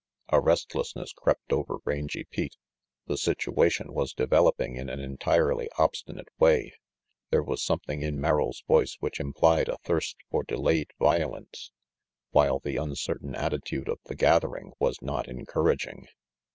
A restlessness crept over Rangy Pete. The situa tion was developing in an entirely obstinate way. There was something in Merrill's voice which implied a thirst for delayed violence, while the uncertain attitude of the gathering was not encouraging.